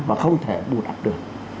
và không thể bù đập được